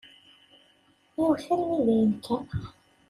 Iwet armi dayen kan.